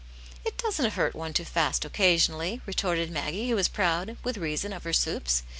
" It doesn't hurt one to fast occasionally," re torted Maggie, who was proud, with reason, of her soups.